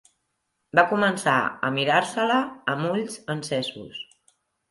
Va començar a mirar-se-la amb ulls encesos